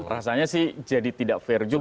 rasanya sih jadi tidak fair juga